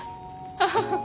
アハハハ。